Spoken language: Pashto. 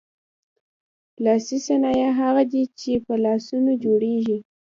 لاسي صنایع هغه دي چې په لاسونو جوړیږي.